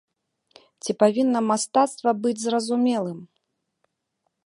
Ці павінна мастацтва быць зразумелым?